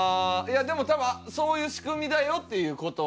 いやでも多分そういう仕組みだよっていう事。